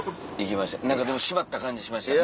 でも締まった感じしましたね。